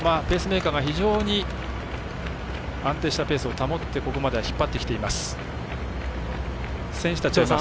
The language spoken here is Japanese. ペースメーカーが非常に安定したペースを守ってここまでは引っ張ってきています。